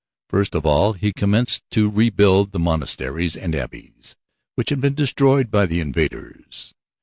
First of all he commenced to rebuild the monasteries and abbeys which had been destroyed by the invaders.